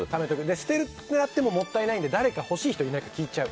捨てるのももったいないので誰か欲しい人がいないか聞いちゃう。